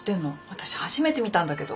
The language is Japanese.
私初めて見たんだけど。